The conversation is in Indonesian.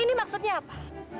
ini maksudnya apa